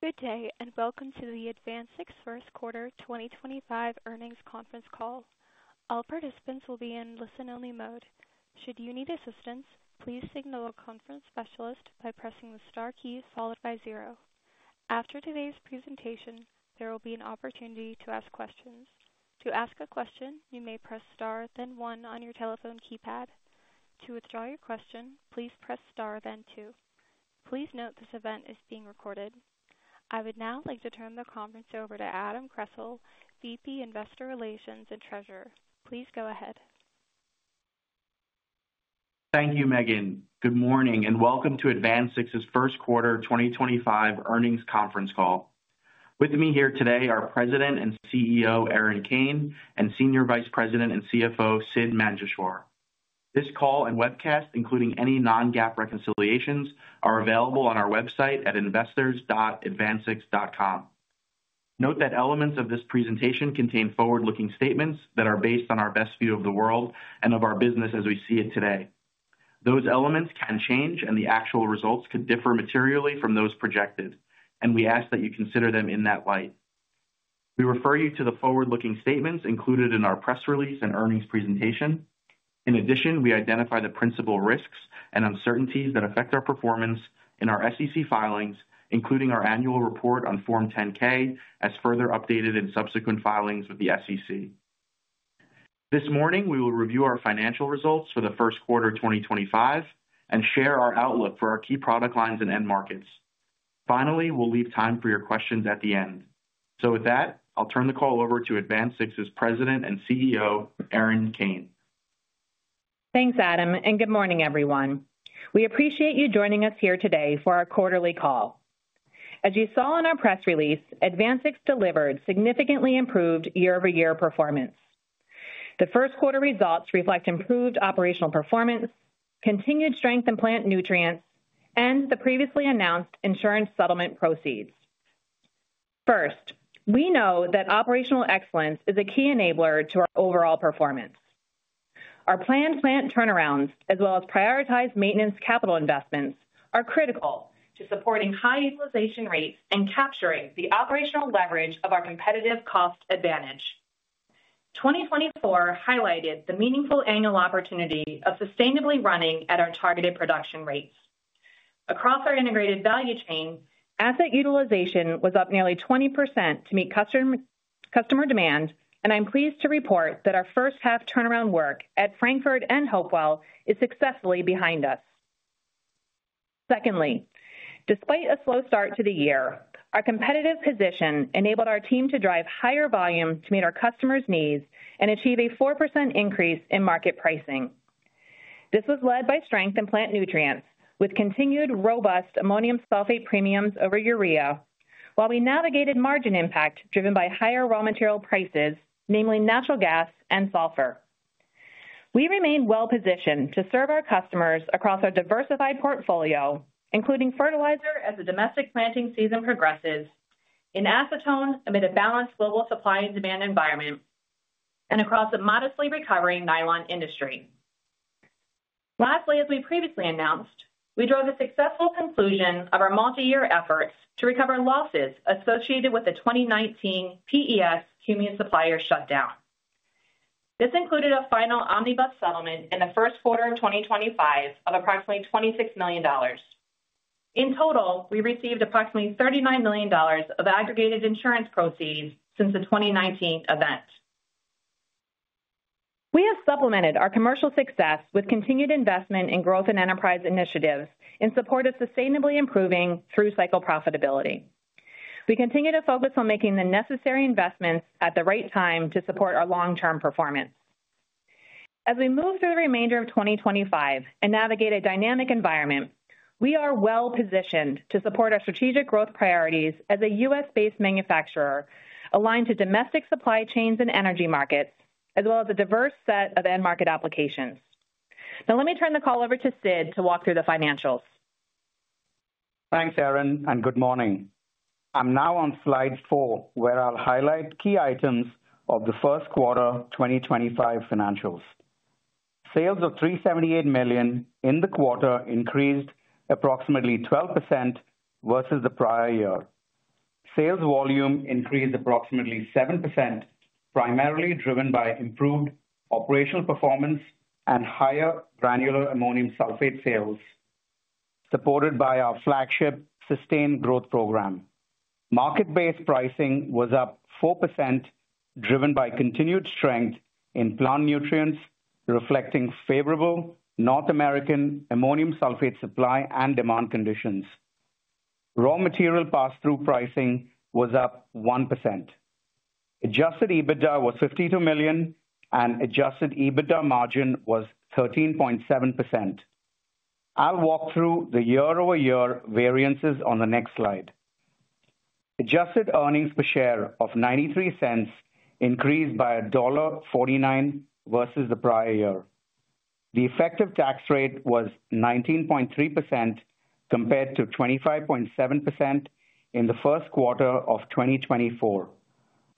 Good day and welcome to the AdvanSix first quarter 2025 earnings conference call. All participants will be in listen only mode. Should you need assistance, please signal a conference specialist by pressing the star key followed by zero. After today's presentation, there will be an opportunity to ask questions. To ask a question, you may press star then one on your telephone keypad. To withdraw your question, please press star then two. Please note this event is being recorded. I would now like to turn the conference over to Adam Kressel, VP, Investor Relations and Treasurer. Please go ahead. Thank you, Megan. Good morning and welcome to AdvanSix's first quarter 2025 earnings conference call. With me here today are President and CEO Erin Kane and Senior Vice President and CFO Sidd Manjeshwar. This call and webcast, including any non-GAAP reconciliations, are available on our website at investors.advansix.com. Note that elements of this presentation contain forward-looking statements that are based on our best view of the world and of our business as we see it today. Those elements can change and the actual results could differ materially from those projected and we ask that you consider them in that light. We refer you to the forward-looking statements included in our press release and earnings presentation. In addition, we identify the principal risks and uncertainties that affect our performance in our SEC filings, including our annual report on Form 10-K as further updated in subsequent filings with the SEC. This morning we will review our financial results for the first quarter 2025 and share our outlook for our key product lines and end markets. Finally, we'll leave time for your questions at the end. With that, I'll turn the call over to AdvanSix's President and CEO Erin Kane. Thanks Adam and good morning everyone. We appreciate you joining us here today for our quarterly call. As you saw in our press release. AdvanSix delivered significantly improved year over year performance. The first quarter results reflect improved operational. Performance, continued strength in plant nutrients and the previously announced insurance settlement proceeds. First, we know that operational excellence is. A key enabler to our overall performance. Our planned plant turnarounds as well. Prioritized maintenance capital investments are critical to supporting high utilization rates and capturing the operational leverage of our competitive cost advantage. 2024 highlighted the meaningful annual opportunity of sustainably running at our targeted production rates across our integrated value chain. Asset utilization was up nearly 20% to meet customer demand. And I'm pleased to report that our first half turnaround work at Frankfort and Hopewell is successfully behind us. Secondly, despite a slow start to the year, our competitive position enabled our team. To drive higher volume to meet our customers' needs and achieve a 4% increase in market pricing. This was led by strength in plant. Nutrients with continued robust ammonium sulfate premiums over urea. While we navigated margin impact driven by higher raw material prices, namely natural gas. Sulfur, we remain well positioned to. Serve our customers across our diversified portfolio. Including fertilizer as the domestic planting season progresses in acetone amid a balanced global supply and demand environment and across a modestly recovering nylon industry. Lastly, as we previously announced, we drove a successful conclusion of our multi-year efforts to recover losses associated with the 2019 Pes Cumin supplier shutdown. This included a final omnibus settlement in the first quarter of 2025 of approximately $26 million. In total we received approximately $39 million of aggregated insurance proceeds. Since the 2019 event, we have supplemented. Our commercial success with continued investment in. Growth and enterprise initiatives in support of. Sustain through cycle profitability. We continue to focus on making the necessary investments at the right time to. Support our long term performance as we. Move through the remainder of 2025 and navigate a dynamic environment. We are well positioned to support our strategic growth priorities as a US based. Manufacturer aligned to domestic supply chains and energy markets as well as a diverse. Set of end market applications. Now let me turn the call over. To Sidd to walk through the financials. Thanks Erin and good morning. I'm now on slide four where I'll highlight key items of the first quarter 2025 financials. Sales of $378 million in the quarter increased approximately 12% versus the prior year. Sales volume increased approximately 7% primarily driven by improved operational performance and higher granular ammonium sulfate sales supported by our flagship Sustained Growth program. Market based pricing was up 4% driven by continued strength in plant nutrients reflecting favorable North American ammonium sulfate supply and demand conditions. Raw material pass through pricing was up 1%. Adjusted EBITDA was $52 million and adjusted EBITDA margin was 13.7%. I'll walk through the year-over-year variances on the next slide. Adjusted earnings per share of $0.93 increased by $49 versus the prior year. The effective tax rate was 19.3% compared to 25.7% in the first quarter of 2024,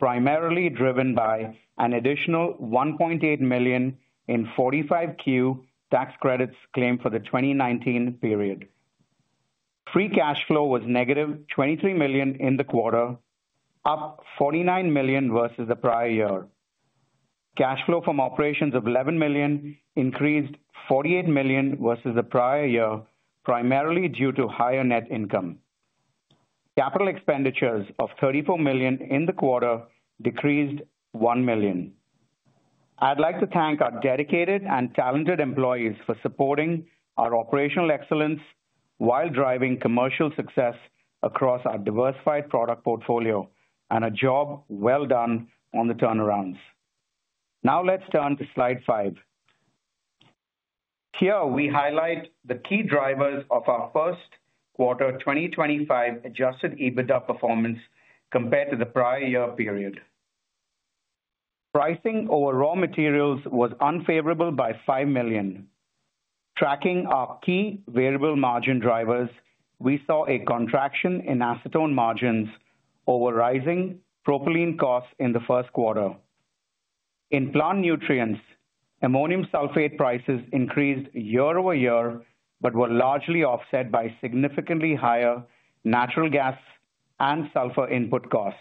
primarily driven by an additional $1.8 million in 45Q tax credits claimed for the 2019 period. Free cash flow was negative $23 million in the quarter, up $49 million versus the prior year. Cash flow from operations of $11 million increased $48 million versus the prior year, primarily due to higher net income. Capital expenditures of $34 million in the quarter decreased $1 million. I'd like to thank our dedicated and talented employees for supporting our operational excellence while driving commercial success across our diversified product portfolio and a job well done on the turnarounds. Now let's turn to slide five. Here we highlight the key drivers of our first quarter 2025 adjusted EBITDA performance. Compared to the prior year period, pricing over raw materials was unfavorable by $5 million. Tracking our key variable margin drivers, we saw a contraction in acetone margins over rising propylene costs in the first quarter. In plant nutrients, ammonium sulfate prices increased year-over-year but were largely offset by significantly higher natural gas and sulfur input costs.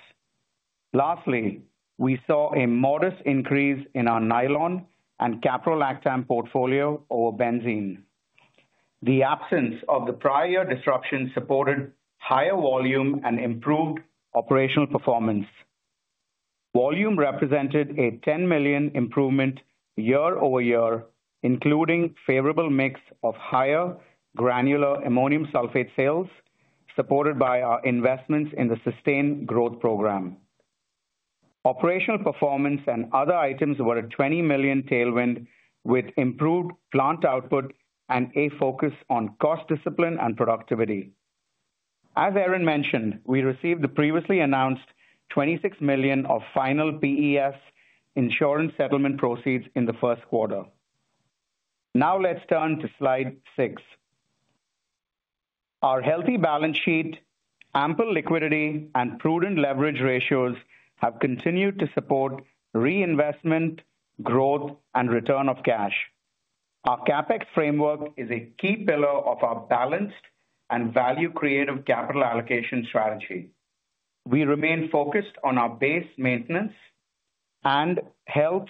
Lastly, we saw a modest increase in our nylon and caprolactam portfolio over benzene. The absence of the prior year disruption supported higher volume and improved operational performance. Volume represented a $10 million improvement yea- over-year including favorable mix of higher granular ammonium sulfate. Sales supported by our investments in the Sustained Growth Program. Operational performance and other items were a $20 million tailwind with improved plant output and a focus on cost discipline and productivity. As Erin mentioned, we received the previously announced $26 million of final PEs insurance settlement proceeds in the first quarter. Now let's turn to Slide six. Our healthy balance sheet, ample liquidity, and prudent leverage ratios have continued to support reinvestment, growth, and return of cash. Our CapEx framework is a key pillar of our balanced and value-creative capital allocation strategy. We remain focused on our base maintenance and health,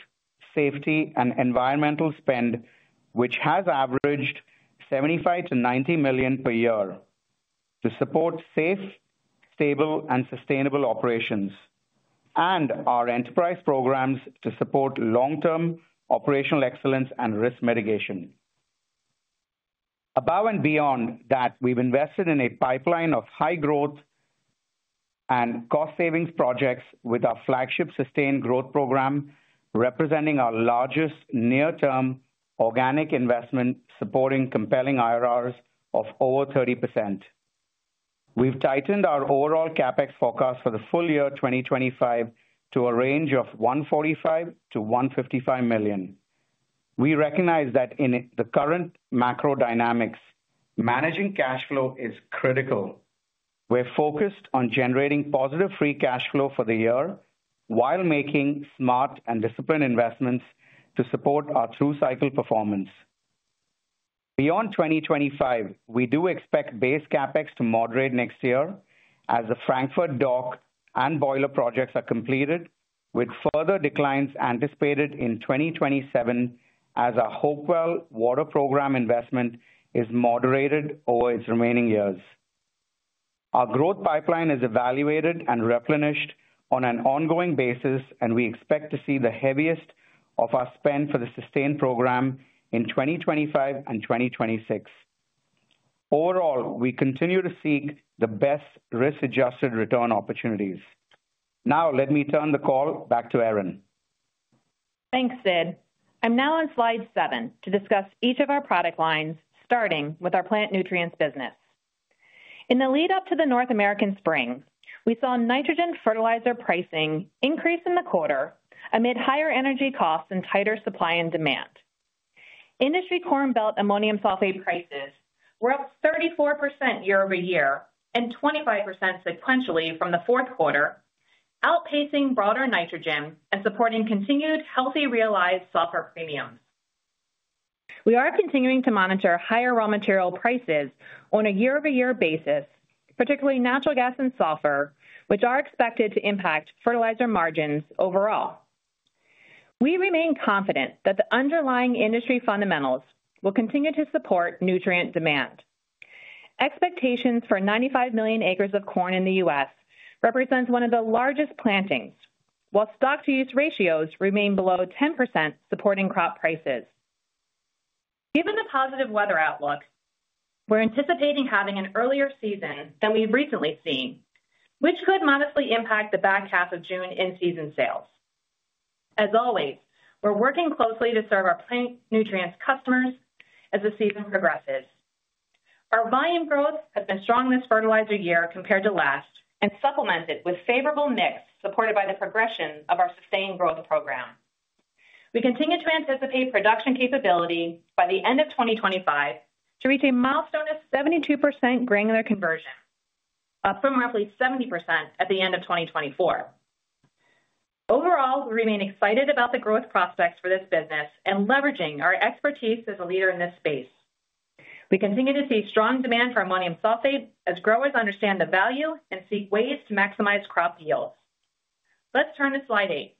safety, and environmental spend, which has averaged $75 million-$90 million per year to support safe, stable, and sustainable operations, and our enterprise programs to support long-term operational excellence and risk mitigation. Above and beyond that, we've invested in a pipeline of high-growth and cost-savings projects, with our flagship Sustained Growth Program representing our largest near-term organic investment, supporting compelling IRRs of over 30%. We've tightened our overall CapEx forecast for the full year 2025 to a range of $145 million-$155 million. We recognize that in the current macro dynamics, managing cash flow is critical. We're focused on generating positive free cash flow for the year while making smart and disciplined investments to support our through cycle performance beyond 2025. We do expect base CapEX to moderate next year as the Frankfort Dock and Boiler projects are completed with further declines anticipated in 2027 as our Hopewell Water Program investment is moderated over its remaining years, our growth pipeline is evaluated and replenished on an ongoing basis and we expect to see the heaviest of our spend for the sustained program in 2025 and 2026. Overall, we continue to seek the best risk adjusted return opportunities. Now let me turn the call back to Erin. Thanks Sidd. I'm now on slide seven to discuss each of our product lines starting with. Our plant nutrients business. In the lead up to the North. American spring, we saw nitrogen fertilizer pricing increase in the quarter amid higher energy. Costs and tighter supply and demand. Industry Corn Belt ammonium sulfate prices were up 34% year-over-year and 25% sequentially from the fourth quarter, outpacing broader nitrogen and supporting continued healthy realized sulfur premiums. We are continuing to monitor higher raw. Material prices on a year-over-year basis, particularly natural gas and sulfur, which are expected to impact fertilizer margins. Overall, we remain confident that the underlying. Industry fundamentals will continue to support nutrient demand. Expectations for 95 million acres of corn. In the U.S. represents one of the largest plantings, while stock to use ratios remain below 10%, supporting crop prices. Given the positive weather outlook, we're anticipating having an earlier season than we've recently seen, which could modestly impact the back half of June in season sales. As always, we're working closely to serve our plant nutrients customers as the season progresses. Our volume growth has been strong this fertilizer year compared to last and supplemented with favorable mix supported by the progression of our sustained growth program. We continue to anticipate production capability by the end of 2025 to reach a milestone of 72% granular conversion, up from roughly 70% at the end of 2024. Overall, we remain excited about the growth prospects for this business and leveraging our expertise as a leader in this space. We continue to see strong demand for ammonium sulfate as growers understand the value and seek ways to maximize crop yields. Let's turn to slide eight.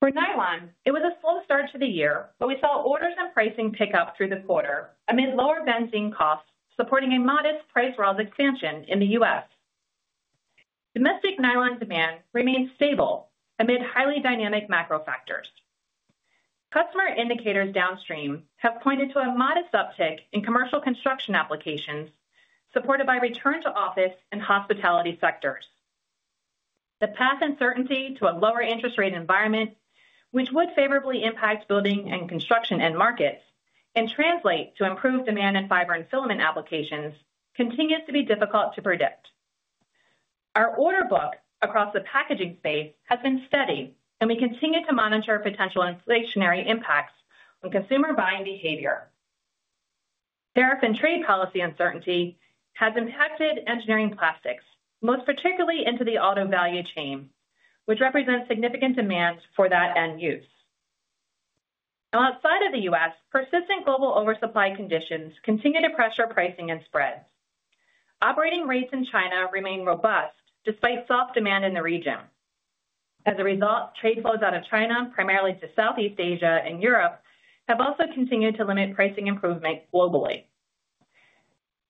For nylon, it was a slow start to the year, but we saw orders and pricing pick up through the quarter amid lower benzene costs supporting a modest price rise. Expansion in the U.S. domestic nylon demand remains stable amid highly dynamic macro factors. Customer indicators downstream have pointed to a modest uptick in commercial construction applications supported by return to office and hospitality sectors. The path uncertainty to a lower interest rate environment, which would favorably impact building and construction end markets and translate to improved demand in fiber and filament applications, continues to be difficult to predict. Our order book across the packaging space has been steady and we continue to monitor potential inflationary impacts on consumer buying behavior. Tariff and trade policy uncertainty has impacted engineering plastics, most particularly into the auto value chain, which represents significant demands for that end use. Outside of the U.S., persistent global oversupply conditions continue to pressure pricing and spreads. Operating rates in China remain robust despite. Soft demand in the region. As a result, trade flows out of China, primarily to Southeast Asia and Europe, have also continued to limit pricing improvement globally.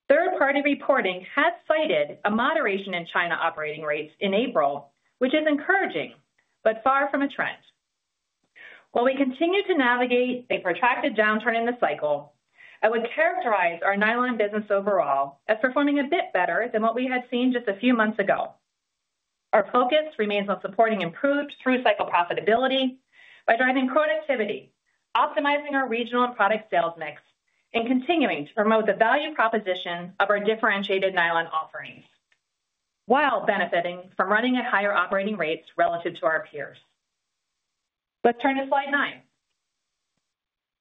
Third party reporting has cited a moderation in China operating rates in April, which is encouraging but far from a trend. While we continue to navigate a protracted downturn in the cycle, I would characterize our nylon business overall as performing a bit better than what we had seen just a few months ago. Our focus remains on supporting improved through cycle profitability by driving productivity, optimizing our regional and product sales mix, and continuing to promote the value proposition of our differentiated nylon offerings while benefiting from running at higher operating rates relative to our peers. Let's turn to Slide nine.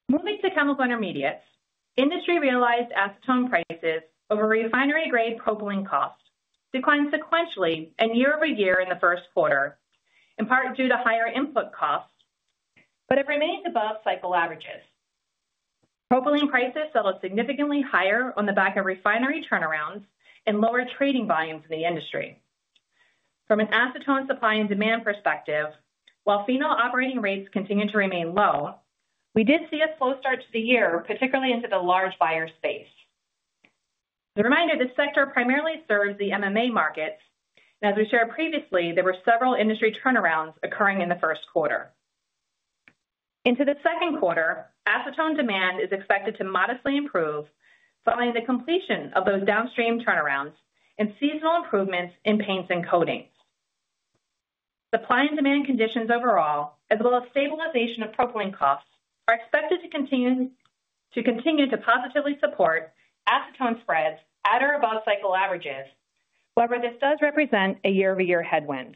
Moving to chemical intermediates, industry realized acetone prices over refinery grade propylene cost declined sequentially and year over year in the first quarter in part due to higher input costs, but it remains above cycle averages. Propylene prices settled significantly higher on the back of refinery turnarounds and lower trading volumes in the industry. From an acetone supply and demand perspective, while phenol operating rates continue to remain low, we did see a slow start to the year, particularly into the large buyer space. The reminder, this sector primarily serves the MMA markets and as we shared previously, there were several industry turnarounds occurring in the first quarter into the second quarter. Acetone demand is expected to modestly improve following the completion of those downstream turnarounds and seasonal improvements in paints and coatings. Supply and demand conditions overall, as well as stabilization of propylene costs, are expected to continue to positively support acetone spreads at or above cycle averages. However, this does represent a year over year headwind.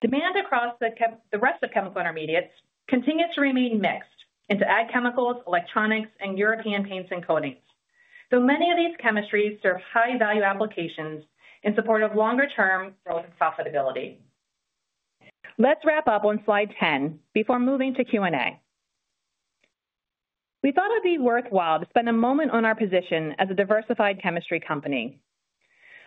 Demand across the rest of chemical intermediates continue to remain mixed into ag, chemicals, electronics, and European paints and coatings, though many of these chemistries serve high value applications in support of longer term growth and profitability. Let's wrap up on slide 10. Before moving to Q and A, we. Thought it'd be worthwhile to spend a moment on our position as a diversified chemistry company.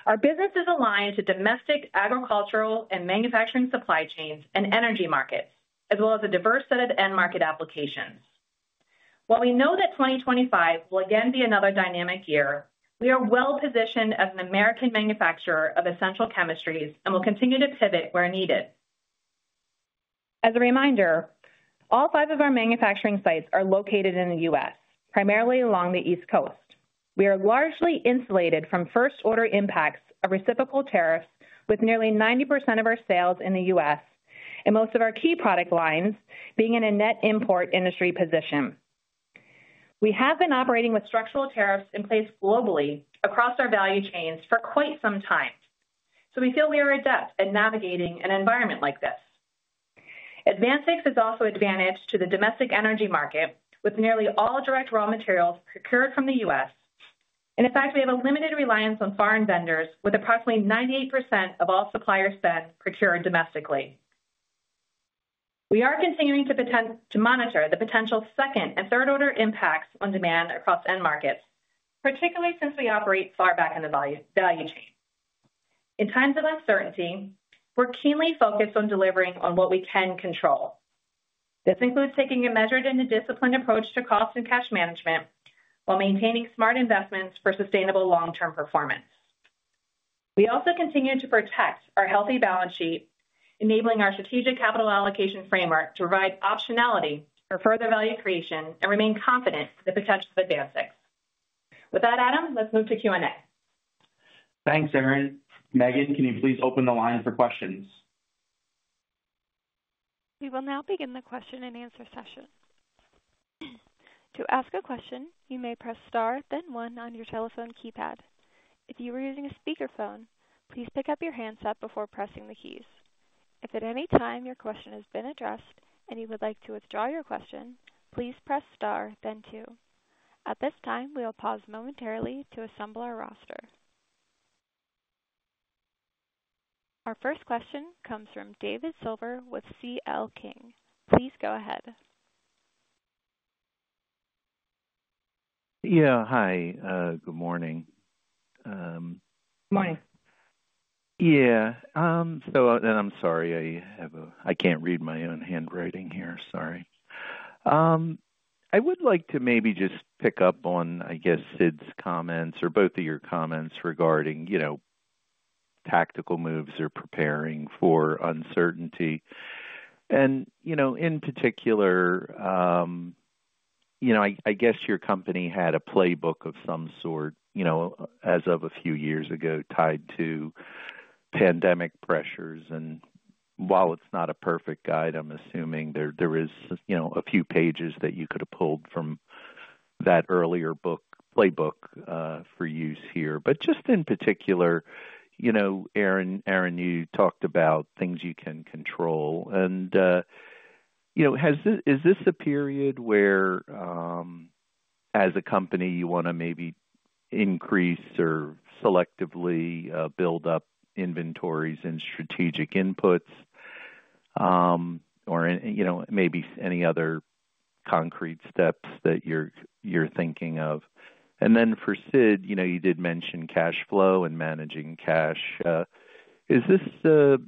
Our business is aligned to domestic agricultural and manufacturing supply chains and energy markets. As well as a diverse set of end market applications. While we know that 2025 will again be another dynamic year, we are well positioned as an American manufacturer of essential chemistries and will continue to pivot where needed. As a reminder, all five of our. Manufacturing sites are located in the U.S. Primarily along the East Coast. We are largely insulated from first order impacts of reciprocal tariffs, with nearly 90% of our sales in the U.S. and most of our key product lines being. In a net import industry position. We have been operating with structural tariffs in place globally across our value chains for quite some time, so we feel we are adept at navigating an environment like this. AdvanSix is also advantaged to the domestic energy market with nearly all direct raw materials procured from the U.S. In fact, we have a limited reliance on foreign vendors with approximately 98% of all supplier spend procured domestically. We are continuing to monitor the potential second and third order impacts on demand across end markets, particularly since we operate far back in the value chain. In times of uncertainty, we're keenly focused on delivering on what we can control. This includes taking a measured and a disciplined approach to cost and cash management while maintaining smart investments for sustainable long term performance. We also continue to protect our healthy balance sheet, enabling our strategic capital allocation framework to provide optionality for further value creation and remain confident in the potential of AdvanSix. With that, Adam, let's move to Q and A. Thanks. Erin. Megan, can you please open the line for questions? We will now begin the question and answer session. To ask a question, you may press star then one on your telephone keypad. If you are using a speakerphone, please pick up your handset before pressing the keys. If at any time your question has been addressed and you would like to withdraw your question, please press star then two. At this time we will pause momentarily to assemble our roster. Our first question comes from David Silver with C.L. King. Please go ahead. Yeah, hi. Good morning. Good morning. Yeah, sorry, I have a, I can't read my own handwriting here. Sorry. I would like to maybe just pick up on, I guess, Sidd's comments or both of your comments regarding, you know, tactical moves or preparing for uncertainty. In particular, I guess your company had a playbook of some sort as of a few years ago tied to pandemic pressures. While it's not a perfect guide, I'm assuming there are a few pages that you could have pulled from that earlier playbook for use here. Just in particular, Erin, you talked about things you can control. You know, is this a period where as a company you want to maybe increase or selectively build up inventories and strategic inputs or, you know, maybe any other concrete steps that you're thinking of? For Sidd, you know, you did mention cash flow and managing cash. Is this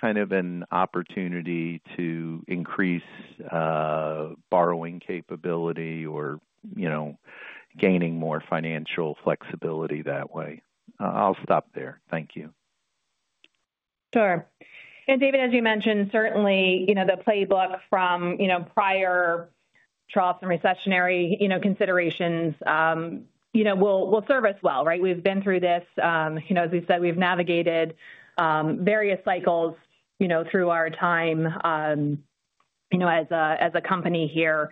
kind of an opportunity to increase borrowing capability or, you know, gaining more financial flexibility that way? I'll stop there. Thank you. Sure. David, as you mentioned, certainly, you know, the playbook from, you know, prior troughs and recessionary, you know, considerations, you know, will serve us well. Right. We've been through this, you know, as we said, we've navigated various cycles, you know, through our time, you know, as a company here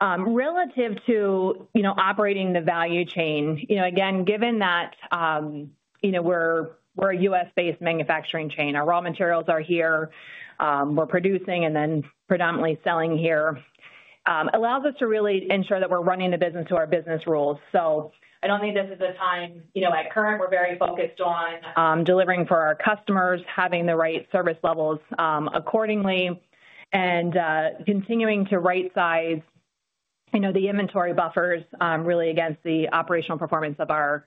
relative to, you know, operating the value chain, you know, again, given that, you know, we're a U.S. based manufacturing chain, our raw materials are here, we're producing and then predominantly selling here allows us to really ensure that we're running the business to our business rules. I don't think this is a time, you know, at current we're very focused on delivering for our customers, having the right service levels accordingly and continuing to right size the inventory buffers really against the operational performance of our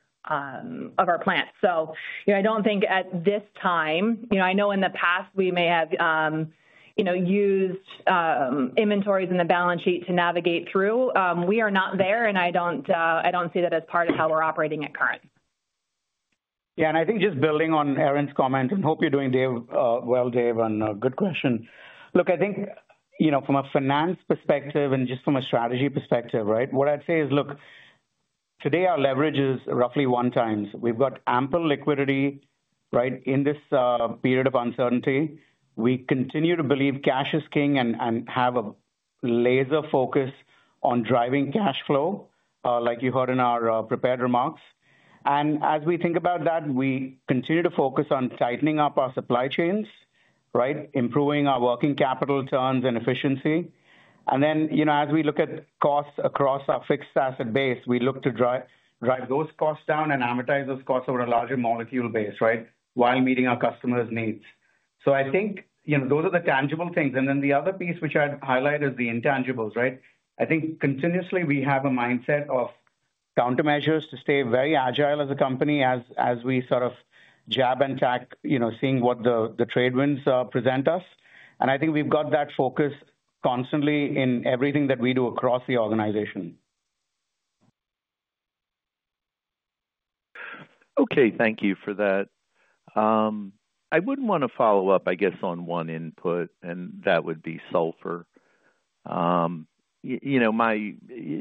plants. I do not think at this time, I know in the past we may have used inventories in the balance sheet to navigate through. We are not there and I do not see that as part of how we are operating at current. Yeah. I think just building on Erin's comment and hope you're doing well, Dave. Good question. Look, I think, you know, from a finance perspective and just from a strategy perspective, right. What I'd say is look, today our leverage is roughly one times. We've got ample liquidity. Right. In this period of uncertainty, we continue to believe cash is king and have a laser focus on driving cash flow like you heard in our prepared remarks. As we think about that, we continue to focus on tightening up our supply chains. Right. Improving our working capital turns and efficiency. As we look at costs across our fixed asset base, we look to drive those costs down and amortize those costs over a larger molecule base. Right. While meeting our customers' needs. I think, you know, those are the tangible things. The other piece which I'd highlight is the intangibles. Right. I think continuously we have a mindset of countermeasures to stay very agile as a company as we sort of jab and tack, seeing what the trade winds present us. I think we've got that focus constantly in everything that we do across the organization. Okay, thank you for that. I would want to follow up I guess on one input and that would be sulfur. You know, my,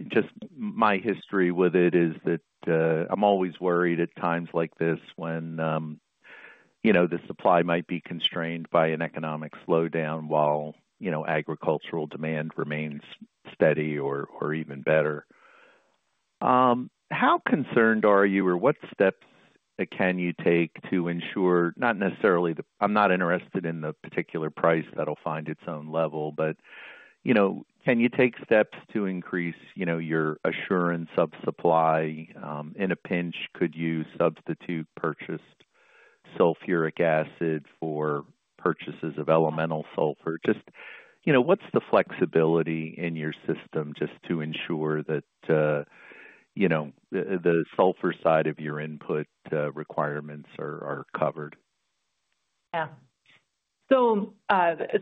just my history with it is that. I'm always worried at times like this when, you know, the supply might be constrained by an economic slowdown while agricultural demand remains steady or even better, how concerned are you or what steps can you take to ensure? Not necessarily, I'm not interested in the particular price that'll find its own level. But, you know, can you take steps to increase your assurance of supply in a pinch? Could you substitute. Substitute purchased sulfuric acid for purchases of elemental sulfur? Just, you know, what's the flexibility in your system just to ensure that, you know, the sulfur side of your input requirements are covered? Yeah, so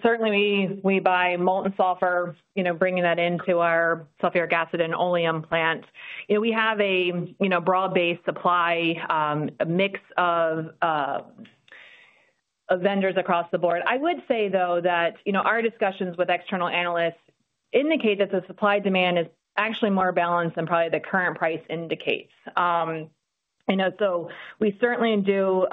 certainly we buy molten sulfur, bringing that into our sulfuric acid and oleum plant. We have a broad-based supply mix of vendors across the board. I would say though that, you know, our discussions with external analysts indicate that the supply-demand is actually more balanced than probably the current price indicates. You know, so we certainly do,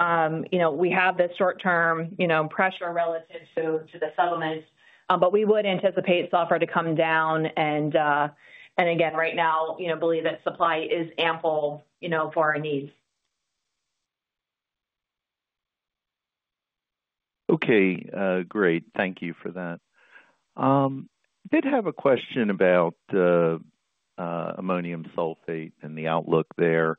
you know, we have this short-term, you know, pressure relative to the settlement, but we would anticipate sulfur to come down and again right now, you know, believe that supply is ample, you know, for our needs. Okay, great. Thank you for that. Did have a question about ammonium sulfate and the outlook there.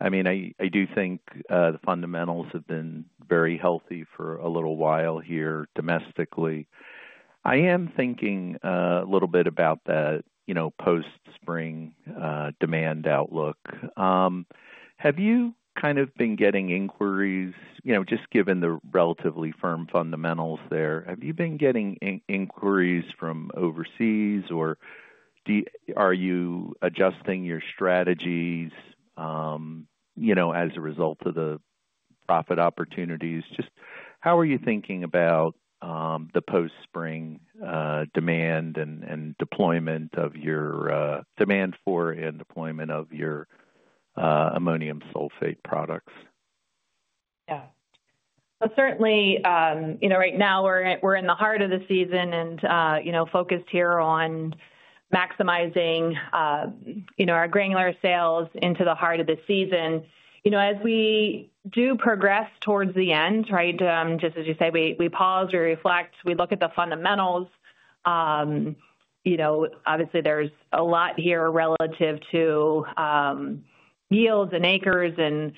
I mean, I do think the fundamentals have been very healthy for a little while here domestically. I am thinking a little bit about that, you know, post spring demand outlook. Have you kind of been getting inquiries, you know, just given the relatively firm fundamentals there, have you been getting inquiries from overseas or are you adjusting your strategies, you know, as a result of the profit opportunities? Just how are you thinking about the post spring demand and deployment of your demand for and deployment of your ammonium sulfate products? Yeah, certainly, you know, right now we're in the heart of the season and, you know, focused here on maximizing, you know, our granular sales into the heart of the season, you know, as we do progress towards the end. Right, just as you say, we pause, we reflect, we look at the fundamentals. You know, obviously there's a lot here relative to yields and acres and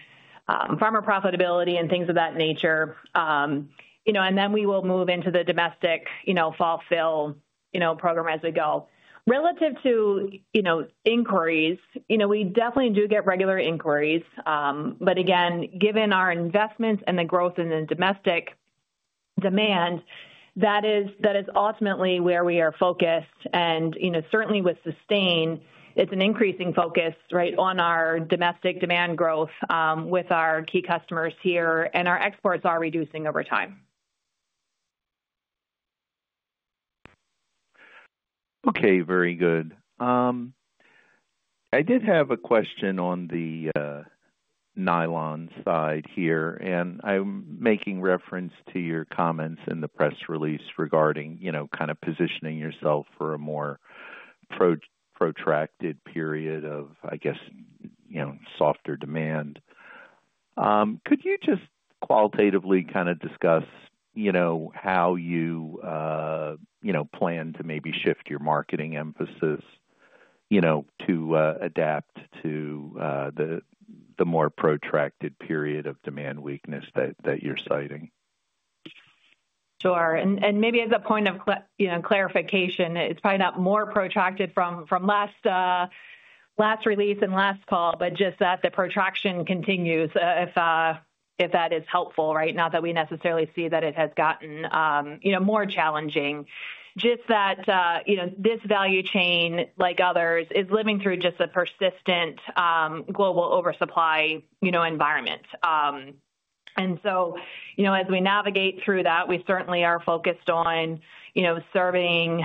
farmer profitability and things of that nature, you know, and then we will move into the domestic, you know, fall fill, you know, program as we go. Relative to, you know, inquiries, you know, we definitely do get regular inquiries. Again, given our investments and the growth in the domestic demand, that is, that is ultimately where we are focused and you know, certainly with sustain, it's an increasing focus right, on our domestic demand growth with our key customers here and our exports are reducing over time. Okay, very good. I did have a question on the nylon side here and I'm making reference to your comments in the press release regarding, you know, kind of positioning yourself for a more protracted period of, I guess, you know, softer demand. Could you just qualitatively kind of discuss, you know, how you, you know, plan to maybe shift your marketing emphasis, you know, to adapt to the more protracted period of demand weakness that you're citing? Sure. Maybe as a point of clarification, it's probably not more protracted from last release and last call, but just that the protraction continues, if that is helpful. Right. Not that we necessarily see that it has gotten more challenging, just that this value chain, like others, is living through just a persistent global oversupply environment. As we navigate through that, we certainly are focused on serving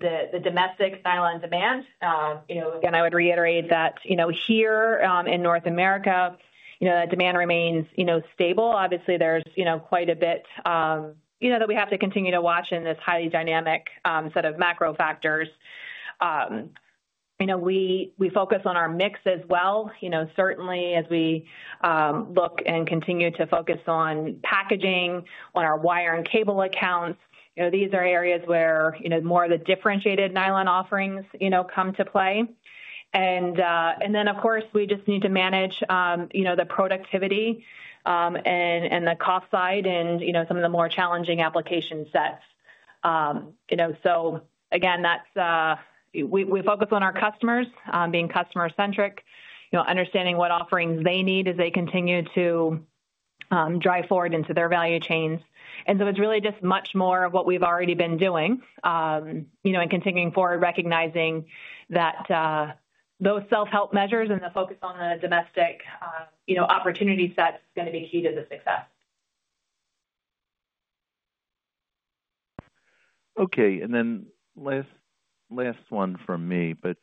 the domestic nylon demand. I would reiterate that here in North America, that demand remains stable. Obviously, there is quite a bit that we have to continue to watch in this highly dynamic set of macro factors. You know, we focus on our mix as well. You know, certainly as we look and continue to focus on packaging, on our wire and cable accounts, you know, these are areas where, you know, more of the differentiated nylon offerings, you know, come to play. Of course, we just need to manage, you know, the productivity and the cost side and, you know, some of the more challenging application sets, you know, so again, we focus on our customers being customer centric, you know, understanding what offerings they need as they continue to drive forward into their value chains. It is really just much more of what we have already been doing, you know, and continuing forward, recognizing that those self help measures and the focus on the domestic, you know, opportunity set is going to be key to the success. Okay, and then last one from me, but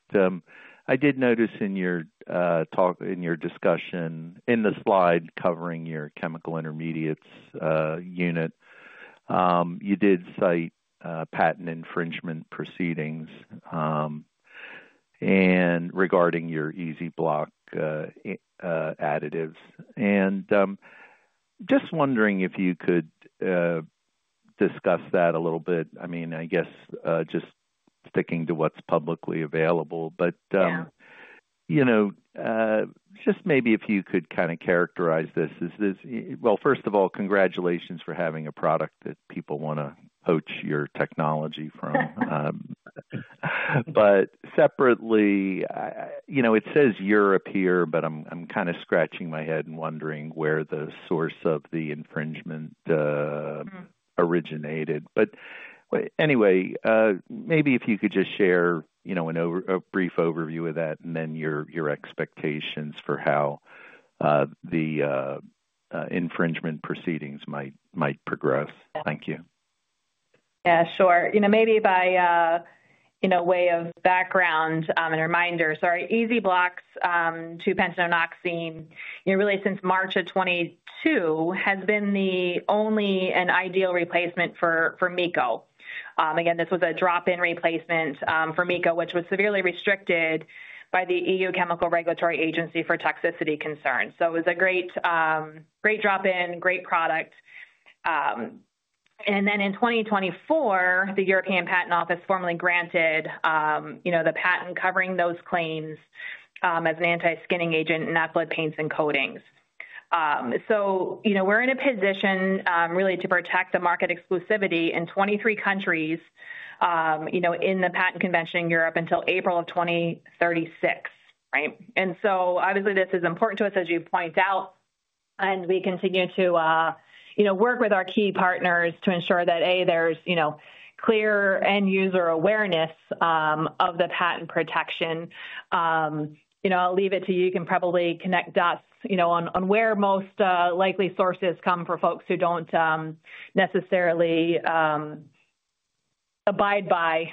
I did notice in your talk, in your discussion, in the slide covering your chemical intermediates unit, you did cite patent infringement proceedings and regarding your EZ-Block additives and just wondering if you could discuss that a little bit. I mean, I guess just sticking to what's publicly available. But you know, just maybe if you could kind of characterize this is this. First of all, congratulations for having a product that people want to poach your technology from. Separately, you know, it says Europe here, but I'm kind of scratching my head and wondering where the source of the infringement originated. Anyway, maybe if you could just share a brief overview of that and then your expectations for how the infringement proceedings might progress. Thank you. Yeah, sure. Maybe by way of background and reminder. Sorry, EZ-Block 2-pentanone oxime, really since March of 2022 has been the only and ideal replacement for MECO. Again, this was a drop-in replacement for MECO which was severely restricted by the EU Chemical Regulatory Agency for toxicity concerns. It was a great drop-in, great product. In 2024, the European Patent Office formally granted the patent covering those claims as an anti-skinning agent, not blood paints and coatings. You know, we're in a position really to protect the market exclusivity in 23 countries in the patent convention in Europe until April of 2036. Right. This is important to us, as you point out, and we continue to, you know, work with our key partners to ensure that a there's, you know, clear end user awareness of the patent protection. You know, I'll leave it to you, you can probably connect us, you know, on where most likely sources come for folks who don't necessarily abide by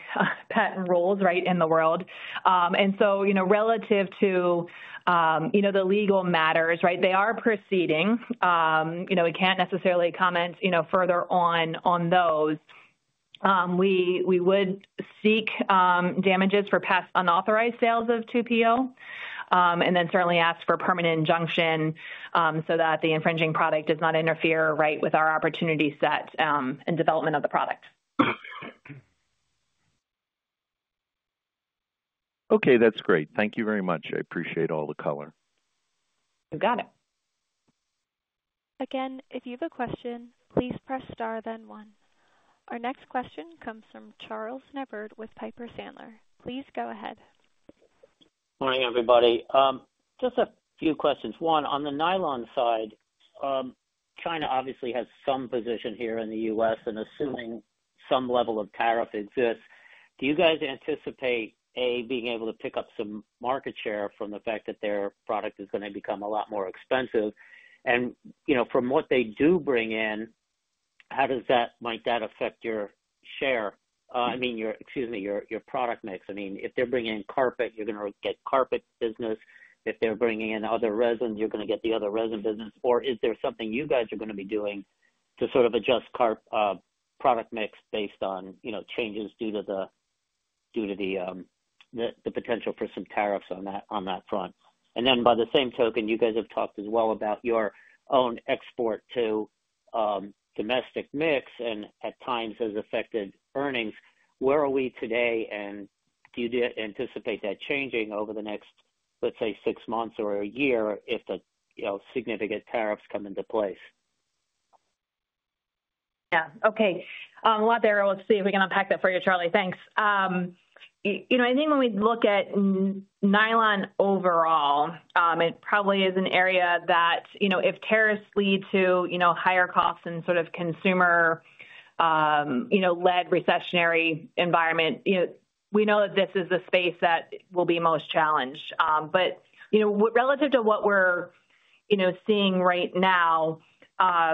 patent rules right in the world. Relative to, you know, the legal matters, right. They are proceeding, you know, we can't necessarily comment, you know, further on those. We would seek damages for past unauthorized sales of 2PO and then certainly ask for per injunction so that the infringing product does not interfere. Right. With our opportunity set and development of the product. Okay, that's great. Thank you very much. I appreciate all the color. You got it. Again, if you have a question, please press star then one. Our next question comes from Charles Neivert with Piper Sandler. Please go ahead. Morning everybody. Just a few questions. One on the nylon side, China obviously has some position here in the U.S. and assuming some level of tariff exists, do you guys anticipate being able to pick up some market share from the fact that their product is going to become a lot more expensive and, you know, from what they do bring in, how might that affect your share? I mean, your, excuse me, your, your product mix. I mean, if they're bringing in carpet, you're gonna get carpet business. If they're bringing in other resin, you're gonna get the other resin business. Or is there something you guys are going to be doing to sort of adjust your product mix based on, you know, changes due to the, due to the, the potential for some tariffs on that, on that front. By the same token, you guys have talked as well about your own export to domestic mix and at times has affected earnings. Where are we today and do you anticipate that changing over the next, let's say six months or a year if the significant tariffs come into place? Yeah, okay, let's see if we can unpack that for you, Charlie. Thanks. You know, I think when we look at nylon overall, it probably is an area that, you know, if tariffs lead to, you know, higher costs and sort of consumer, you know, led recessionary environment, we know that this is the space that will be most challenged. You know, relative to what we're, you know, seeing right now,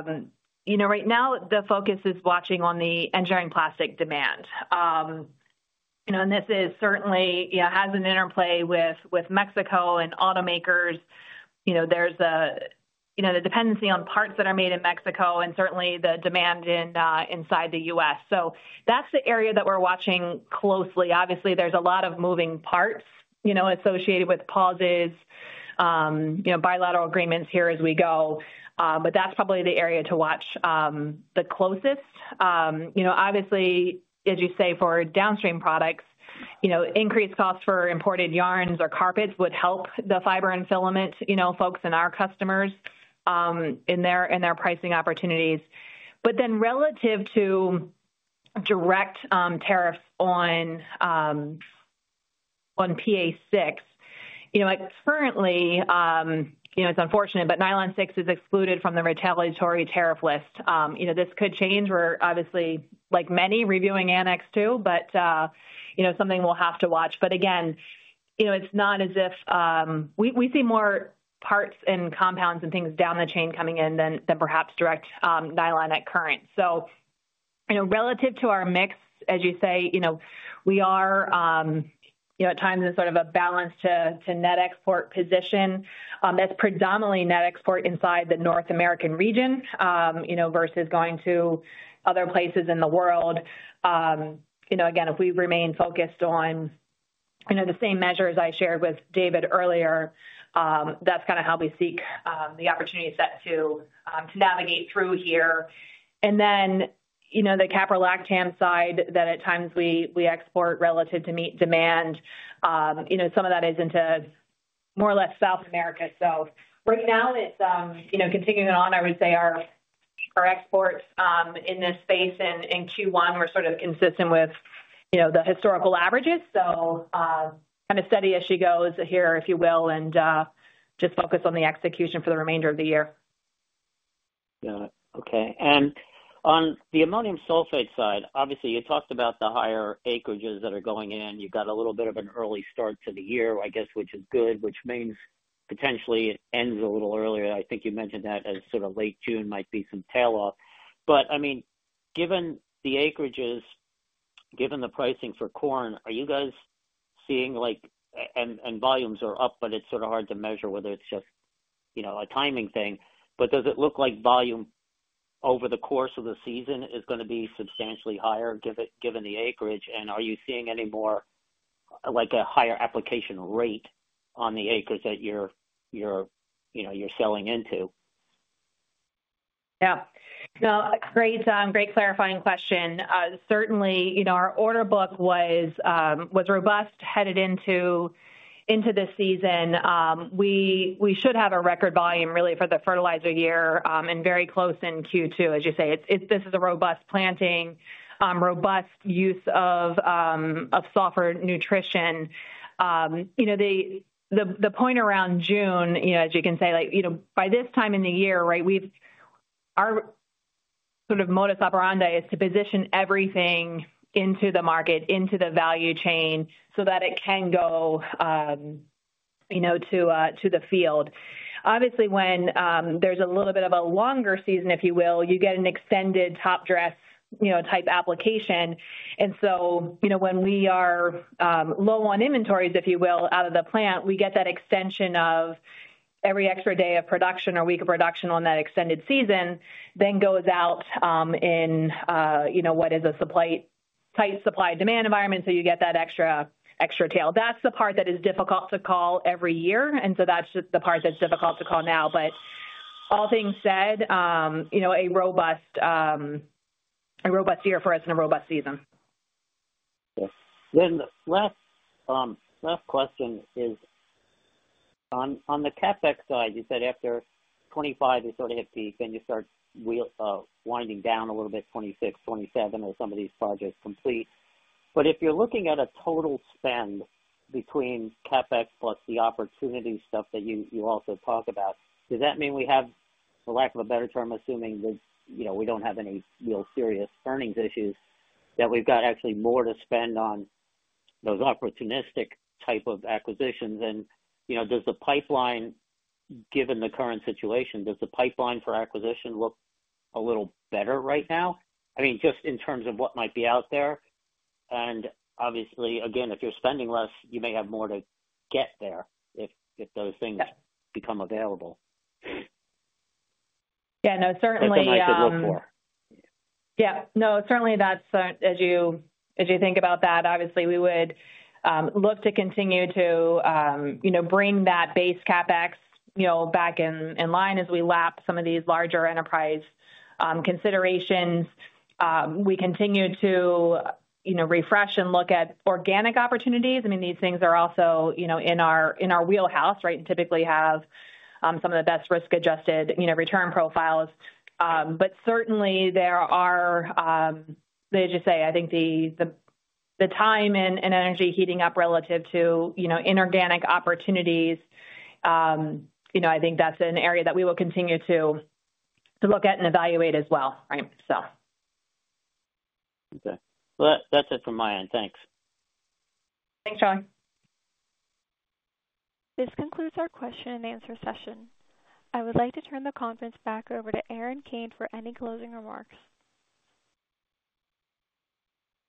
you know, right now the focus is watching on the engineering plastic demand, you know, and this certainly has an interplay with Mexico and automakers. You know, there's a, you know, the dependency on parts that are made in Mexico and certainly the demand inside the U.S. so that's the area that we're watching closely. Obviously there's a lot of moving parts, you know, associated with pauses, you know, bilateral agreements here as we go. That's probably the area to watch the closest, you know, obviously as you say, for downstream products, you know, increased costs for imported yarns or carpets would help the fiber and filament, you know, folks and our customers in their pricing opportunities. Then relative to direct tariffs on PA6, you know, currently, you know, it's unfortunate, but nylon 6 is excluded from the retaliatory tariff list. You know, this could change. We're obviously like many reviewing Annex 2, but you know, something we'll have to watch. Again, you know, it's not as if we see more parts and compounds and things down the chain coming in than perhaps direct nylon at current. Relative to our mix, as you say, we are at times in sort of a balance to net export position that's predominantly net export inside the North American region versus going to other places in the world. Again, if we remain focused on, you know, the same measures I shared with David earlier, that's kind of how we seek the opportunity set to navigate through here. You know, the caprolactam side that at times we export relative to meet demand, some of that is into more or less South America. Right now it's continuing on, I would say our exports in this space in Q1 were sort of consistent with the historical averages. Kind of steady as she goes here, if you will, and just focus on the execution for the remainder of the year. Okay. On the ammonium sulfate side, obviously you talked about the higher acreages that are going in. You got a little bit of an early start to the year, I guess, which is good. Which means potentially it ends a little earlier. I think you mentioned that as sort of late June might be some tail off. I mean, given the acreages, given the pricing for corn, are you guys seeing like. And volumes are up, but it's sort of hard to measure whether it's just, you know, a timing thing. Does it look like volume over the course of the season is going to be substantially higher given the acreage? Are you seeing any more like a higher application rate on the acres that you're, you know, you're selling into? Yeah, great, great clarifying question. Certainly, you know, our order book was robust headed into this season. We should have a record volume really for the fertilizer year. And very close in Q2, as you say. It's if this is a robust planting, robust use of, of sulfur nutrition, you know, the point around June, as you can say by this time in the year, our sort of modus operandi is to position everything into the market, into the value chain so that it can go to the field. Obviously when there's a little bit of a longer season, if you will, you get an extended top dress type application. When we are low on inventories, if you will, out of the plant, we get that extension of every extra day of production or week of production on that extended season, then goes out in, you know, what is a tight supply demand environment. You get that extra, extra tail. That's the part that is difficult to call every year. That's the part that's difficult to call now. All things said, you know, a robust, a robust year for us in. A robust season. The last question is on the CapEx side. You said after 2025, you sort of hit peak and you start winding down a little bit, 2026, 2027 or some of these projects complete. If you're looking at a total spend between CapEx plus the opportunity stuff that you also talk about, does that mean we have, for lack of a better term, assuming that, you know, we don't have any real serious earnings issues, that we've got actually more to spend on those opportunistic type of acquisitions. You know, does the pipeline, given the current situation, does the pipeline for acquisition look a little better right now? I mean, just in terms of what might be out there? Obviously, again, if you're spending less, you may have more to get there if those things become available. Yeah, no, certainly. That's as you think about that, obviously we would look to continue to bring that base CapEx back in line as we lap some of these larger enterprise considerations. We continue to refresh and look at organic opportunities. I mean these things are also in our wheelhouse and typically have some of the best risk adjusted return profiles, but certainly there are. I think the time and energy heating up relative to inorganic opportunities. I think that's an area that we will continue to look at and evaluate as well. Okay, well that's it from my end. Thanks. Thanks Charles. This concludes our question and answer session. I would like to turn the conference back over to Erin Kane for any closing remarks.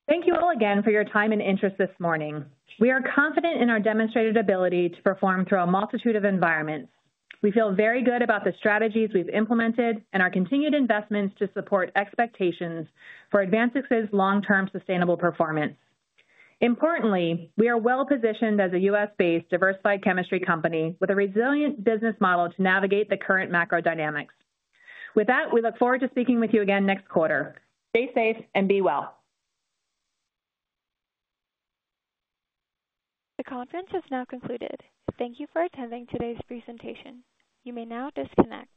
Thank you all again for your time. your interest this morning. We are confident in our demonstrated ability to perform through a multitude of environments. We feel very good about the strategies we've implemented and our continued investments to support expectations for AdvanSix's long term sustainable performance. Importantly, we are well positioned as a U.S. based diversified chemistry company with a resilient business model to navigate the current macro dynamics. With that, we look forward to speaking with you again next quarter. Stay safe and be well. The conference has now concluded. Thank you for attending today's presentation. You may now disconnect.